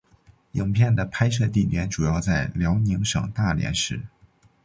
影片的拍摄地点主要在辽宁省大连市。